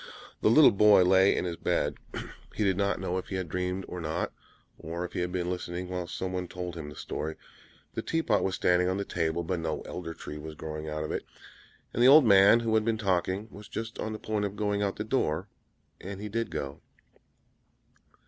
The little boy lay in his bed; he did not know if he had dreamed or not, or if he had been listening while someone told him the story. The tea pot was standing on the table, but no Elder Tree was growing out of it! And the old man, who had been talking, was just on the point of going out at the door, and he did go.